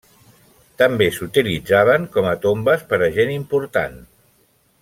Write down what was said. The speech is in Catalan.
També s'utilitzaven com a tombes per a gent important.